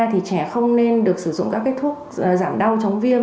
thì trẻ không nên được sử dụng các cái thuốc giảm đau chống viêm